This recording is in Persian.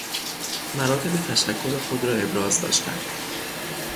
مراتب تشکر خود را ابراز داشتن